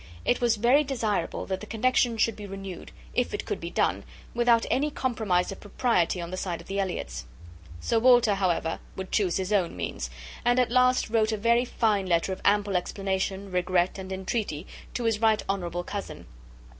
It was very desirable that the connexion should be renewed, if it could be done, without any compromise of propriety on the side of the Elliots." Sir Walter, however, would choose his own means, and at last wrote a very fine letter of ample explanation, regret, and entreaty, to his right honourable cousin.